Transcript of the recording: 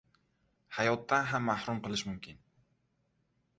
hayotdan ham mahrum qilish mumkin.